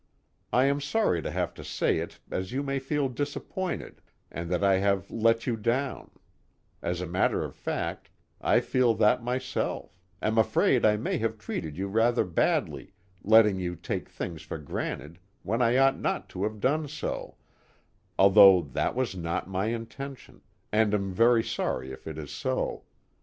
I am sorry to have to say it as you may feel disappointed and that I have let you down, as a matter of fact I feel that myself, am afraid I may have treated you rather badly letting you take things for granted when I ought not to have done so, although that was not my intention, and am very sorry if it is so.